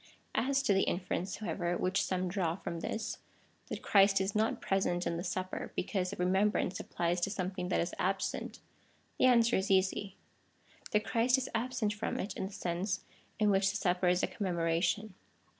As to the inference, however, which some draw from this — that Christ is not present in the Supper, because a remeinhrance applies to something that is absent ; the answer is easy — that Christ is absent from it in the sense in which the Supper is a commemoration.